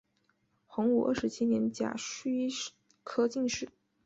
洪武二十七年甲戌科进士。